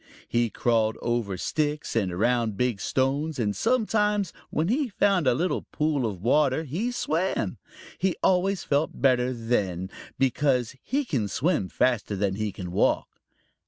He crawled over sticks and around big stones and sometimes, when he found a little pool of water, he swam. He always felt better then, because he can swim faster than he can walk.